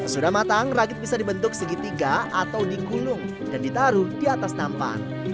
sudah matang ragit bisa dibentuk segitiga atau digulung dan ditaruh di atas nampan